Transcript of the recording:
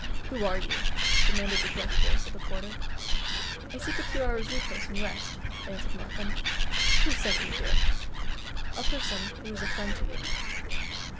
"Who are you?" demanded the gruff voice of the porter. "I seek a few hours' repose and rest," answered Markham. "Who sent you here?" "A person who is a friend to you."